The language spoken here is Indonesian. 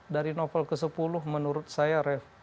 dari novel ke sepuluh menurut saya